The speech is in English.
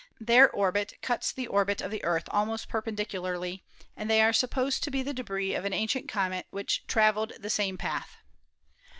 Their orbit cuts the orbit of the Earth almost perpendicularly, and they are supposed to be the debris of an ancient comet which traveled the same path.